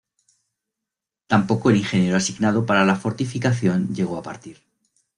Tampoco el ingeniero asignado para la fortificación llegó a partir.